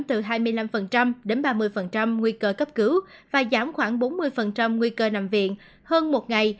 từ hai mươi năm đến ba mươi nguy cơ cấp cứu và giảm khoảng bốn mươi nguy cơ nằm viện hơn một ngày